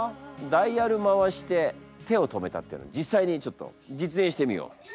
「ダイヤル回して手を止めた」っていうのを実際にちょっと実演してみよう。